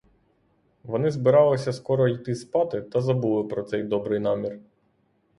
Вони збиралися скоро йти спати, та забули про цей добрий намір.